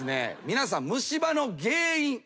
皆さん虫歯の原因